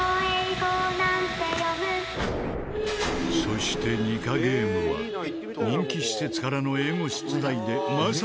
そしてニカゲームは人気施設からの英語出題でまさかの展開に。